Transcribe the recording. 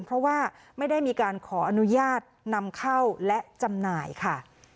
เพราะว่าไม่ได้มีการขออนุญาตนำเข้าและจำหน่ายค่ะ